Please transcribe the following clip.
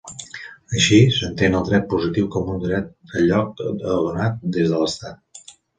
Així, s'entén el dret positiu com un dret lloc o donat des de l'Estat.